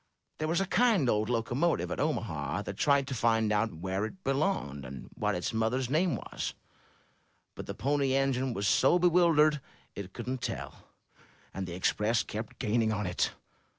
There was a kind old locomotive at Omaha that tried to find out where it belonged, and what its mother's name was, but the Pony Engine was so bewildered it couldn't tell. And the Express kept gaining on it.